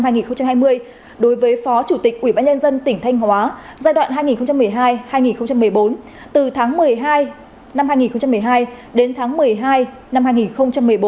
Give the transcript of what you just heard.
vâng trước đó thì thủ tướng chính phủ quyết định thi hành kỷ luật bằng hình thức xóa tư cách chức vụ chủ tịch ubnd tỉnh thanh hóa giai đoạn hai nghìn một mươi hai hai nghìn một mươi bốn từ tháng một mươi hai năm hai nghìn một mươi hai đến tháng một mươi hai năm hai nghìn một mươi bốn để đổi cộng hợp với trong t dez được tổ chức